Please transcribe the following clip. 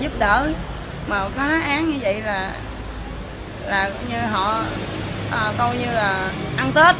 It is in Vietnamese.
coi như là ăn tết